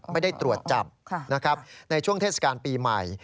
ไม่ได้ตรวจจับในช่วงเทศกาลปีใหม่